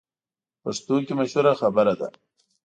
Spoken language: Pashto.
پښتو کې مشهوره خبره ده: